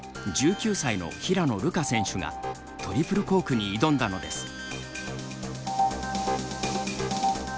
１９歳の平野流佳選手がトリプルコークに挑んだのです。